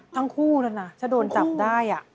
ทั้งคู่นั้นนะถ้าโดนจับได้